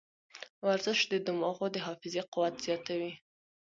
ورزش د دماغو د حافظې قوت زیاتوي.